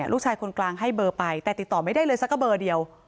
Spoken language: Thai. ลูกชายคนกลางให้เบอร์ไปแต่ติดต่อไม่ได้เลยสักเบอร์เดียว